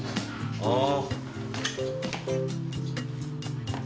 ああ。